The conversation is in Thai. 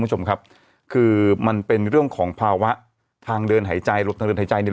คุณผู้ชมครับคือมันเป็นเรื่องของภาวะทางเดินหายใจหลบทางเดินหายใจเนี่ย